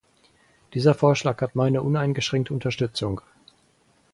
Dieser Vorschlag hat meine uneingeschränkte Unterstützung.